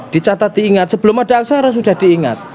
dicatat diingat sebelum ada aksara sudah diingat